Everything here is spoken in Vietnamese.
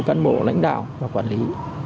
cán bộ lãnh đạo và quản lý